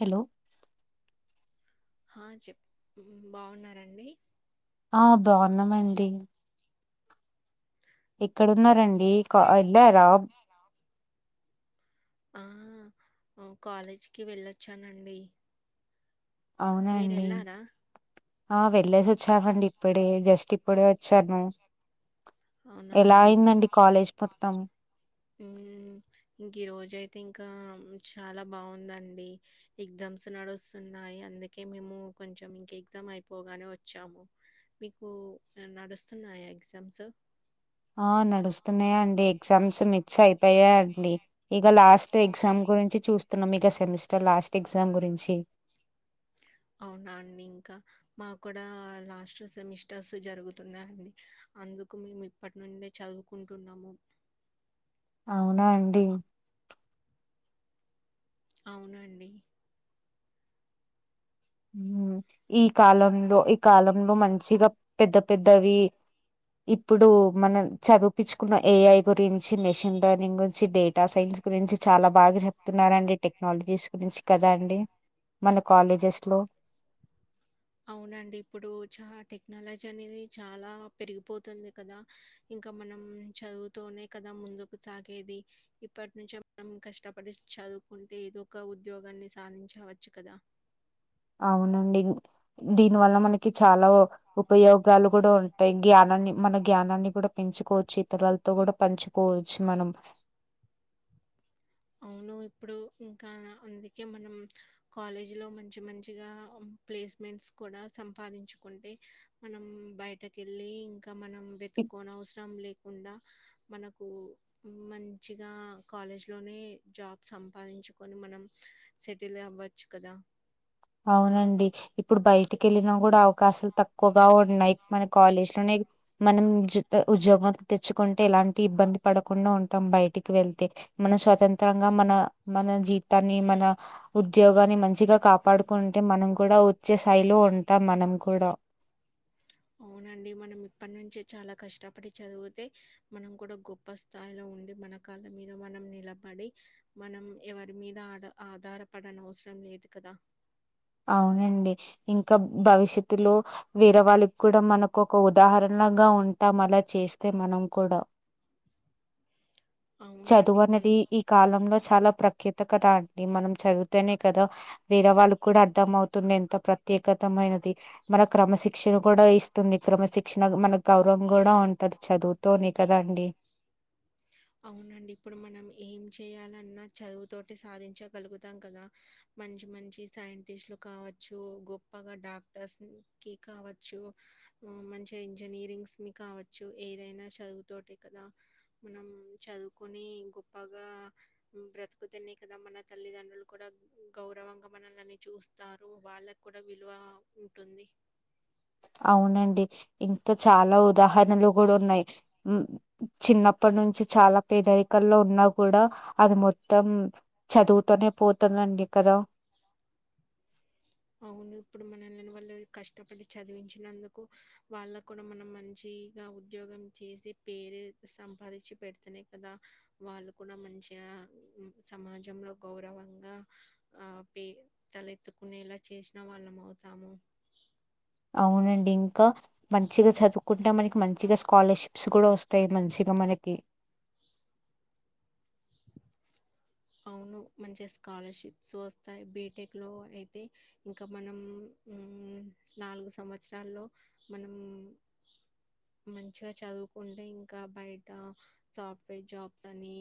Hello హా చెప్ బాగున్నారండి ఆ బాగున్నామండి ఇక్కడున్నారండి వెళ్ళారా ఆ కాలేజీకి వెళ్ళొచ్చానండి అవునండి మీరెళ్లారా? ఆ వెళ్లేసి అండి ఇప్పుడే జస్ట్ ఇప్పుడే వచ్చాను ఎలా అయిందండి కాలేజ్ మొత్తం ఇంక ఈ రోజయితే ఇంకా చాలా బాగుందండి ఎగ్జామ్స్ నడుస్తున్నాయి అందుకే మేము కొంచెం ఇంకా ఎగ్జామ్ అయిపోగానే వచ్చాము మీకు నడుస్తున్నాయి ఎగ్జామ్స్ ఆ నడుస్తున్నాయా అండి [unintelligible] మిస్ అయిపోయాడి ఇక లాస్ట్ ఎగ్జామ్ గురించి చూస్తున్నాం సెమిస్టర్ లాస్ట్ ఎగ్జామ్ గురించి అవునా అండి ఇంక మా కూడా, లాస్ట్ సెమిస్టర్స్ జరుగుతున్నాంది. అందుకు మేమే ప్పట్నుండే చదువుకుంటున్నము. అవునా అండి అవునండి హ్మ్ ఈ కాలంలో ఈ కాలంలో మంచిగా పెద్ద పెద్దవి, ఇప్పుడు మనం చదువుపిచుకున్న ఏఐ గురించి, నేషనల్ టర్నింగ్ గురించి డేటా సైన్స్ గురించి, చాలా బాగా జెప్తున్నారండి. టెక్నాలజీస్ గురించి కదా అండి, మన కాలేజెస్ హలో అవునండి ఇప్పుడు చ్చా టెక్నాలజీ అనేది. చాలా పెరిగిపోతుంది కదా ఇంకా, మనం చదువుతోనే కదా ముందుకు సాగేది. ఇప్పటి నుంచే మనం కష్టపడి చదువుకుంటే ఏదో ఒక ఉద్యోగాన్ని సాధించవచ్చు. కదా అవునండి ఇంగ్ దీని వల్ల మనకి చాలా వో ఉపయోగాలు కూడా ఉంటయ్, జ్ఞాన్నన్ని మన జ్ఞానాన్ని కూడా పెంచుకోవచ్చు. ఇతరలతో కూడా పంచుకోవచ్చు. మనం అవును ఇప్పుడు ఇంకా అందుకే, మనం కాలేజీ లో మంచి మంచిగా ప్లేస్మెంట్స్ కూడా సంపాదించుకుంటే, మనం బయటకెళ్ళి ఇంక్ రా మనం వెతుక్కోనవసరం లేకుండా మనకూ మంచిగా కాలేజ్ లోనే ఎ జాబ్ సంపాదించుకొని మనం సెటిల్ అవ్వచ్చు కదా అవునండి ఇప్పుడు బయటికి వెళ్ళినా కూడా అవకాశాలు తక్కువగా ఉన్నాయి. మన కాలేజ్ లోనే మనం [unintelligible] ఉద్జోగ్మంత్ తెచ్చుకుంటే, ఎలాంటి ఇబ్బంది పడకుండా ఉంటాం. బయటికి వెళ్తే మన స్వతంత్రంగా, మన మన జీతాన్ని మన ఉద్యోగాన్ని మంచిగా కాపాడు కొంటెం మనం కూడా వచ్చే స్థాయిలో ఉంటాం. మనం కూడా అవునండి మనం ఇప్పటి నుంచి చాలా కష్టపడి చదువుతే, మనం కూడా గొప్ప స్థాయిలో ఉండి. మన కాళ్ళ మీద మనం నిలపడి, మనం ఎవరి మీద ఆఢ ఆధారపడనవసరం లేదు. కదా అవునండి ఇంకా మ్ భవిష్య్ తిత్తిర్లో వేరే వాళ్ళు కూడా మనకు ఒక ఉదాహరణంగా ఉంటాం. మర్లా చేస్తే మనం కూడా అవునండి చదువు అనేది మనం ఈ కాలంలో చాలా ప్రఖ్యాత్ కదా అండి మనం చదివితేనే కదా వేరే వాళ్ళు కూడా అర్థం అవుతుంది ఎంత ప్రత్యేకతమైనది మన క్రమశిక్షణ కూడా ఇస్తుంది క్రమశిక్షణ మనకు గౌరవం కూడా ఉంటది చదువుతోనే కదా అండి అవునండి ఇప్పుడు మనం ఏం చేయాలన్నా చదువుతోటి సాధించగలుగుతాం కదా, మంచి మంచి సైంటిస్ట్లు కావచ్చు. డాక్టర్స్ని కి కావచ్చు. ఆ మంచిగ ఇంజనీరింగ్స్ ని కావచ్చు. ఏదైనా చదువుతోటి కదా, మనం హ్మ్ చదువుకొని గొప్పగా హ్మ్ బ్రతుకుతేనే కదా మన తల్లిదండ్రులు కూడా గౌరవంగా మనలని చూస్తారు. వాళ్ళక్కూడా విలువావ్ ఉంటుంది. ప్చ్ అవునండి ఇన్ చాలా ఉదాహరణలు కూడా ఉన్నాయి చిన్నప్పటి నుంచి చాలా పేదరికల్లో ఉన్నా కూడా అది మొత్తం చదువుతూనే పోతుందండి కదా అవును ఇప్పుడు మన వాళ్ళు కష్టపడి చదివించినందుకు వాళ్ళ కూడా మనం మంచిగా ఉద్యోగం చేసి పేరు సంపాదించి పెడుతనే కదా వాళ్ళు కూడా మంచిగా సమాజంలో గౌరవంగా ఆ పే తలెత్తుకునేలా చేసిన వాళ్ళం అవుతాము అవునండి ఇంకా మంచిగా చదువుకుంటే మనకి మంచిగా స్కాలర్షిప్స్ కూడా వస్తాయి మంచిగా మనకి అవును మంచిగా స్కాలర్షిప్స్ వస్తాయి బీటెక్లో అయితే ఇంకా మనం నాలుగు సంవత్సరాల్లో మనం మంచిగా చదువుకుంటే ఇంకా బయట సాఫ్ట్వేర్ జాబ్స్ అని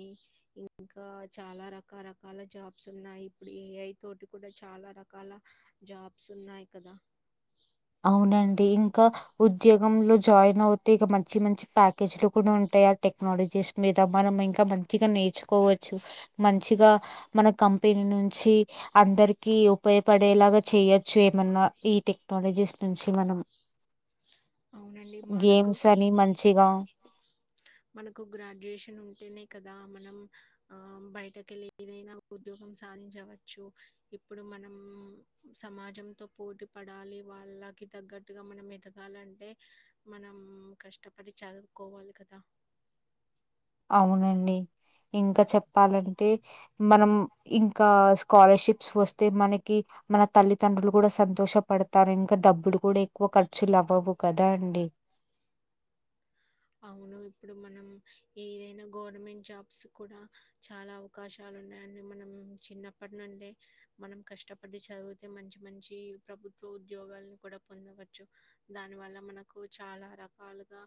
ఇంకా చాలా రకరకాల జాబ్స్ ఉన్నాయి ఇప్పుడు ఏఐ తోటి కూడా చాలా రకాల జాబ్స్ ఉన్నాయి కదా అవునండి ఇంకా ఉద్యోగంలో జాయిన్ అవుతే ఇక మంచి మంచి ప్యాకేజ్లు కూడా ఉంటాయి ఆ టెక్నాలజీస్ మీద మనం ఇంకా మంచిగా నేర్చుకోవచ్చు మంచిగా మన కంపెనీ నుంచి అందరికి ఉపయోగపడేలాగా చేయొచ్చు ఏమన్నా ఈ టెక్నాలజీస్ నుంచి మనం అవునండి మనకు గేమ్స్ అని మంచిగా మనకు గ్రాడ్యుయేషన్ ఉంటేనే కదా కద మనం ఆ బయటక వెళ్ళ ఏదైనా ఉద్యోగం సాధించవచ్చు ఇప్పుడు మనం సమాజంతో పోటీ పడాలి వాళ్ళకి తగ్గట్టుగా మనం ఎదగాలం అంటే మనం కష్టపడి చదువుకోవాలి కదా అవునండి ఇంకా చెప్పాలంటే మనం ఇంకా స్కాలర్షిప్ స్ వస్తే మనకి మన తల్లిదండ్రులు కూడా సంతోషపడతారు ఇంకా డబ్బుడు కూడా ఎక్కువ ఖర్చులు అవ్వవు కదా అండి అవును ఇప్పుడు మనం ఏదైనా గవర్నమెంట్ జాబ్స్ కూడా చాలా అవకాశాలు ఉన్నాయడి మనం చిన్నప్పటి నుండే మనం కష్టపడి చదివితే మంచి మంచి ప్రభుత్వ ఉద్యోగాల్లను కూడా పొందవచ్చు దాని వల్ల మనకు చాలా రకాలుగా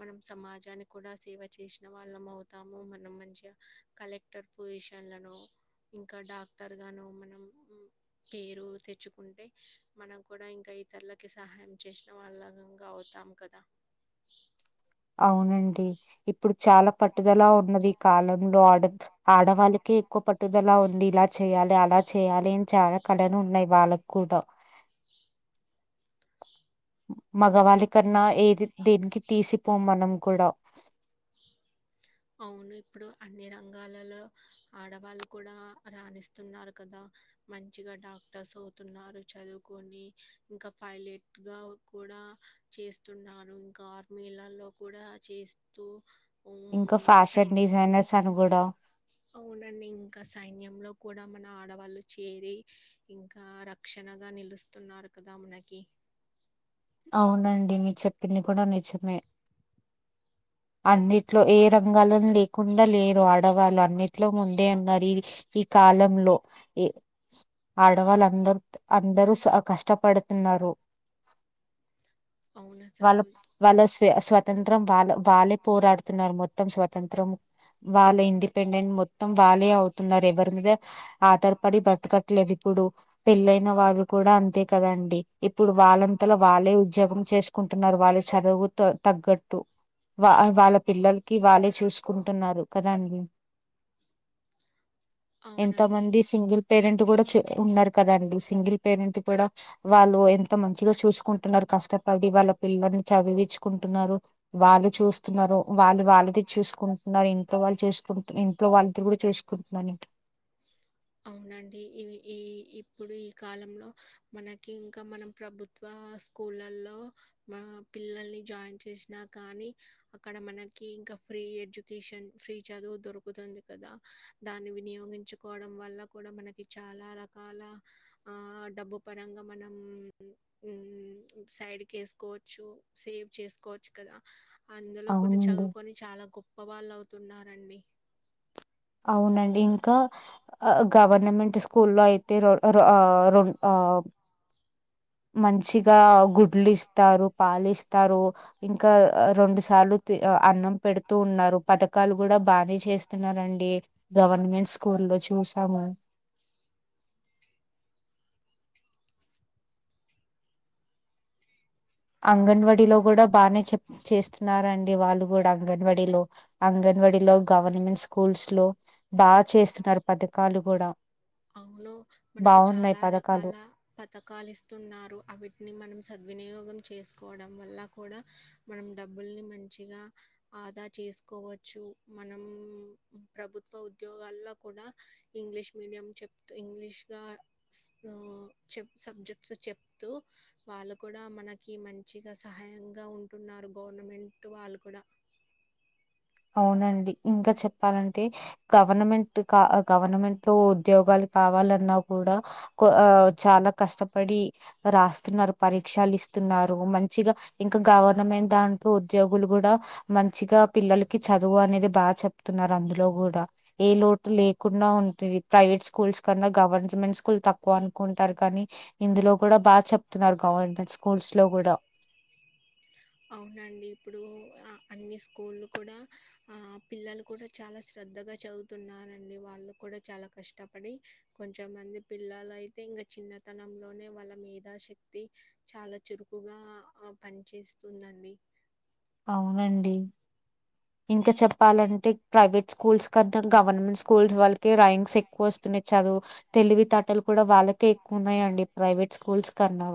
మనం సమాజానికి కూడా సేవ చేసిన వాళ్ళం అవుతాము మనం మంచిగా కలెక్టర్ పొజిషన్లను ఇంకా డాక్టర్గానో మనం పేరు తెచ్చుకుంటే మనం కూడా ఇంకా ఇతరులకి సహాయం చేసిన వాళ్ళంగా అవుతాము కదా అవునండి ఇప్పుడు చాలా పట్టుదల ఉన్నది ఈ కాలంలో ఆడ ఆడవాళ్ళకే ఎక్కువ పట్టుదల ఉంది ఇలా చెయాలి అలా చేయాలి అని చాలా క ఉన్నాయి వాళ్ళకి కూడా మగ గవాలి కన్నా ఏది దననికి తీసి [unintelligible] మనం కూడా అవును ఇప్పుడు అన్ని రంగాలలో ఆడవాళ్ళు కూడా రాణిస్తున్నారు కదా మంచిగా డాక్టర్స్ అవుతున్నారు చదువుకొని ఇంకా పైలట్గా కూడా చేస్తున్నారు ఇంకా ఆర్మీలలో కూడా చేస్తూ ఇంకా ఫ్యాషన్ డిజైనర్స్ అని కూడా అవునండి ఇంకా సైన్యంలో కూడా మన ఆడవాళ్ళు చేరి ఇంకా రక్షణగా నిలుస్తున్నారు కదా మనకి అవునండి మీరు చెప్పింది కూడా నిజమే అన్నిట్లో ఏ రంగాలను లేకుండా లేరు ఆడవాళ్ళు అన్నిట్లో ముందే ఉన్నారు ఈ ఈ కాలంలో ఈ ఆడవాళ్ళు అందరు అందరూ కష్టపడుతున్నారు అవును అసలు వాళ్ళు వాళ్ళ స్వ స్వాతంత్రం వాళ్ళ వాళ్ళే పోరాడుతున్నారు మొత్తం స్వతంత్రం వాళ్ళ ఇండిపెండెంట్ మొత్తం వాళ్ళే అవు తున్నారు ఎవరి మీద ఆధారపడి బ్రతకట్లేదు ఇప్పుడు పెళ్ళైన వాళ్ళు కూడా అంతే కదండి ఇప్పుడు వాళ్ళంతలో వాళ్ళే ఉద్యోగం చేసుకుంటున్నారు వాళ్ళు చదువు తగ్గట్టు వా వాళ్ళ పిల్లలకి వాళ్ళే చూసుకుంటున్నారు కదాండి ఎంత అవునండి మంది సింగిల్ పేరెంట్ కూడా ఉన్నారు కదండి సింగిల్ పేరెంట్ కూడా వాళ్ళు ఎంతో మంచిగా చూసుకుంటున్నారు కష్టపడి వాళ్ళ పిల్లల్ని చదివించుకుంటున్నారు వాళ్ళు చూస్తున్నారు వాళ్ళు వాళ్ళది చూసుకుంటున్నారు ఇంట్లో వాళ్ళు చేసుకుంటు ఇంట్లో వాళ్ళది కూడా చేసుకుంటున్నారు అవునండి ఇ ఈ ఇప్పుడు ఈ కాలంలో మనకి ఇంకా మనం ప్రభుత్వ స్కూళ్ళలో మ పిల్లల్ని జాయిన్ చేసినా కానీ అక్కడ మనకి ఇంకా ఫ్రీ ఎడ్యుకేషన్ ఫ్రీ చదువు దొరుకుతుంది కదా దాన్ని వినియోగించుకోవడం వల్ల కూడా మనకి చాలా రకాల ఆ డబ్బు పరంగా మనం సైడ్కి ఎసుకోవచ్చు సేవ్ చేసుకోవచ్చు కదా అందులో కూడా అవునండి చదువుకొని చాలా గొప్ప వాళ్ళు అవు తున్నారండి అవునండి ఇంకా గవర్నమెంట్ స్కూల్లో అయితే రో రో ఆ రోం ఆ మంచిగా గుడ్లు ఇస్తారు పాలు ఇస్తారు ఇంకా రెండు సార్లు తీ అన్నం పెడుతూ ఉన్నారు పథకాలు కూడా బానే చేస్తున్నారుండి గవర్నమెంట్ స్కూ లో చూసాము అంగన్వాడీలో కూడా బానే చెప్ చేస్తున్నారుండి వాళ్ళు కూడా అంగన్వాడి లో అంగన్వాడీలో గవర్నమెంట్ స్కూల్స్ లో బాగా చేస్తున్నారు పథకాలు కూడా అవులో మనకు బాగున్నాయి చాలా పథకాలు రకాల పథకాలు ఇస్తున్నారు అవిటిని మనం సద్వినియోగ గం చేసుకోవడం వల్ల కూడా మనం డబ్బుల్ని మంచిగా ఆదా చేసుకోవచ్చు మనం ప్రభుత్వ ఉద్యోగాల్లో కూడా ఇంగ్లీష్ మీడియం చెప్తూ ఇంగ్లీష్గా ఒ చెప్ సబ్జెక్ట్స్ చెప్తూ వాళ్ళు కూడా మనకి మంచిగా సహాయంగా ఉంటున్నారు గవర్నమెంట్ వాళ్ళు కూడా అవునండి ఇంకా చెప్పాలంటే గవర్నమెంట్ కా గవర్నమెంట్ లో ఉద్యోగాలు కావాలన్నా కూడా కు చాలా కష్టపడి రాస్తున్నారు పరీక్షలు ఇస్త తున్నారు మంచిగా ఇంకా గవర్నమెంట్ దాంట్లో ఉద్యోగులు కూడా మంచిగా పిల్లలు కి చదువు అనేది బాగా చెప్తున్నారు అందులో కూడా ఏ లోటు లేకుండా ఉంటుంది ప్రైవేట్ స్కూల్స్ కన్నా గవర్నమెంట్ స్కూల్ తక్కువ అనుకుంటారు కానీ ఇందులో కూడా బాగా చెప్తున్నారు గవర్నమెంట్ స్కూల్స్ లో కూడా అవునండి ఇప్పుడు అన్ని స్కూళ్ళు కూడా ఆ పిల్లలు కూడా చాలా శ్రద్ధగా చదువుతున్నారండి వాళ్ళు కూడా చాలా కష్టపడి కొంచెమంది పిల్లలు అయితే ఇంకా చిన్నతనంలోనే వాళ్ళ మేధాశక్తి చాలా చురుకుగా పనిచేస్త వస్తుందండి అవునండి ఇంకా చెప్పాలంటే ప్రైవేట్ స్కూల్స్ కన్నా గవర్నమెంట్ స్కూల్స్ వాళ్ళకే ర్యాంక్స్ ఎక్కువ వస్తున్నాయి చదు తెలివి తాటలు కూడా వాళ్ళకే ఎక్కువ ఉన్నాయంండి ప్రైవేట్ స్కూల్స్ కన్నా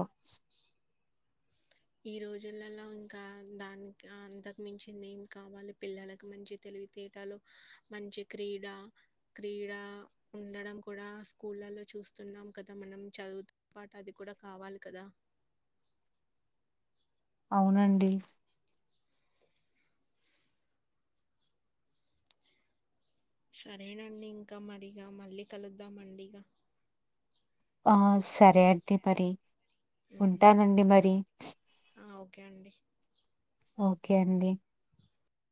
ఈ రోజులలో ఇంకా దానికి అంతకు మించిందెం కావాలి పిల్లలకు మంచి తెలివితేటలు మంచి క్రీడ క్రీడ ఉండడం కూడా స్కూళ్ళలో చూస్తున్నాం కదా మనం చదువుతో పాటు అది కూడా కావాలి కదా అవునండి సరేనండి ఇంకా మరిగా మళ్ళీ కలుద్దామండిగా ఆ స సరే అండి మరి ఉమ్, ఉంటానండి మరి ఆ, ఓకే అండి ఓకే అండి